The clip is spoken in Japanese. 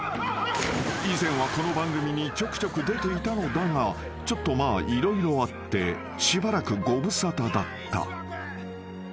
［以前はこの番組にちょくちょく出ていたのだがちょっとまあ色々あってしばらくご無沙汰だった］